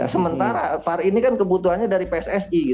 sementara var ini kan kebutuhannya dari pssi